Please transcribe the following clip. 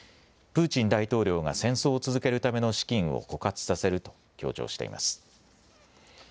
プーチン大統領が戦争を続けるための資金を枯渇させると強調しています。